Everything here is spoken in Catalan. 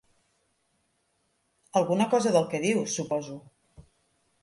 Alguna cosa del que dius, suposo.